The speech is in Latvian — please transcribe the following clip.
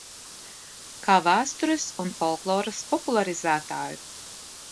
Kā vēstures un folkloras popularizētāju.